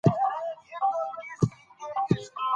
د زابل غرونه او دښتې د سيمې طبيعي ښکلا زياتوي.